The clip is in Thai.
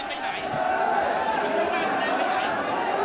วันยกแรกมันแรกไปไหน